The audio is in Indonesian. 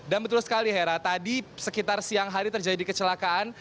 dan betul sekali hera tadi sekitar siang hari terjadi kecelakaan